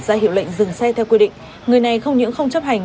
ra hiệu lệnh dừng xe theo quy định người này không những không chấp hành